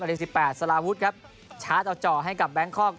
เวลาที่๑๘สระพุทธครับช้าเจาะให้กับแบงค์คอก